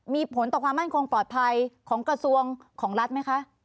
มีผลต่อความมั่นคงปลอดภัยของกระทรวงของรัฐไหมคะ